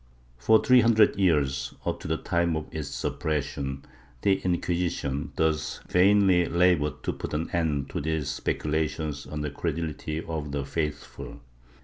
^ For three hundred years, up to the time of its suppression, the Inquisition, thus vainly labored to put an end to these speculations on the credulity of the faithful.